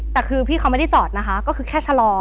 แต่คือพี่เขาไม่ได้จอดนะคะก็คือแค่ชะลอ